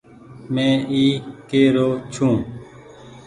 مين اي ڪي رو ڇو۔